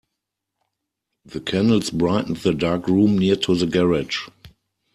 The candles brightened the dark room near to the garage.